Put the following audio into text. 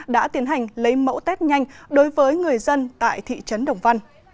đã tiến hành lấy mẫu test nhanh đối với người dân tại thị trấn đồng văn